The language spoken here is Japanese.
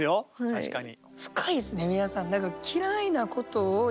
確かに。